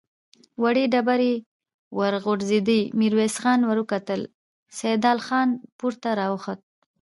وړې ډبرې ورغړېدې، ميرويس خان ور وکتل، سيدال خان پورته را خوت.